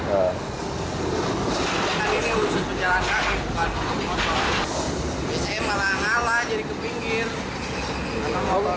karena ini usus pejalan kaki bukan untuk motor